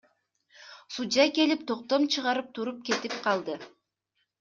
Судья келип, токтом чыгарып туруп кетип калды.